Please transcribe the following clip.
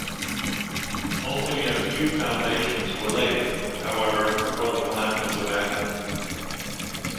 Only a few foundations were laid, however, before the plan was abandoned.